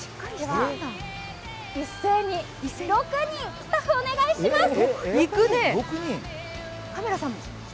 一斉に６人、スタッフお願いします！